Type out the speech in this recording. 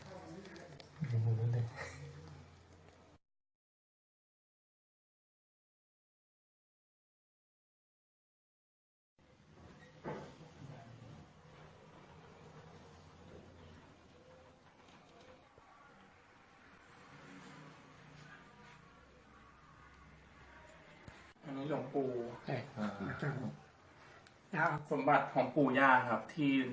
อันนี้หญิงปูใต้เออสมบัติของปูย่าครับที่